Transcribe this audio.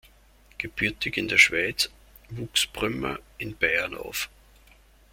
Gebürtig in der Schweiz, wuchs Brümmer in Bayern auf.